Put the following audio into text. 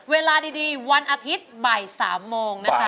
เวลาดีวันอาทิตย์บ่าย๓โมงนะคะ